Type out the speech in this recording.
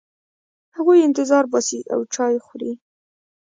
هغوی انتظار باسي او چای خوري.